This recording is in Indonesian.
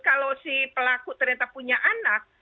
kalau si pelaku ternyata punya anak